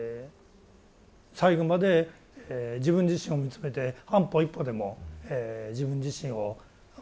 最後まで自分自身を見つめて半歩一歩でも自分自身を高めていく。